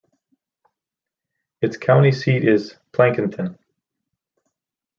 Its county seat is Plankinton.